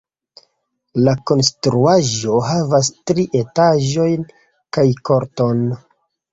La konstruaĵo havas tri etaĝojn kaj korton.